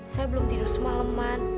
saya belum tidur semaleman